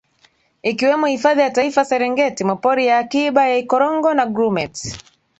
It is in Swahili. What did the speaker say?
ikiwemo Hifadhi ya Taifa Serengeti Mapori ya Akiba ya Ikorongo na Grumeti